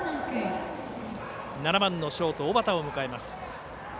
７番のショート、尾花を迎えます。